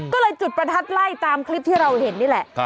ก็เลยจุดประทัดไล่ตามคลิปที่เราเห็นนี่แหละ